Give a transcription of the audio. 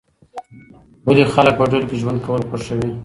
ولې خلک په ډلو کې ژوند کول خوښوي؟